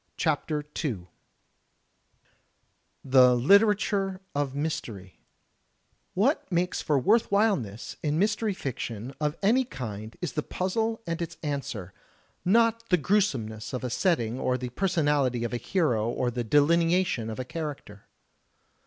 CHAPTER II THE LITERATURE OF MYSTERY What makes for worthwhileness in mystery fiction of any kind is the puzzle and its answer — ^not the gniesomeness of a setting or the personality of a hero or the delineation of a character.